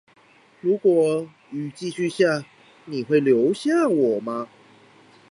如果雨繼續下，你會留下我嗎